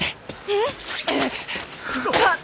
えっ？